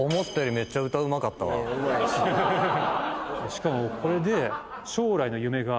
しかもこれで。